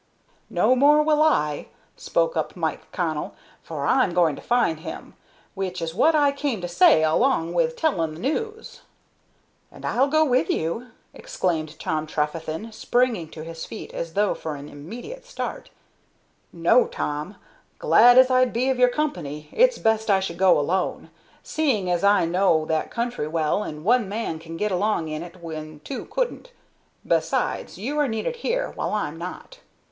"No more will I," spoke up Mike Connell, "for I'm going to find him, which is what I came to say along with telling the news." "And I'll go with you!" exclaimed Tom Trefethen, springing to his feet, as though for an immediate start. "No, Tom; glad as I'd be of your company, it's best I should go alone, seeing as I know that country well, and one man can get along in it when two couldn't. Besides, you are needed here, while I'm not."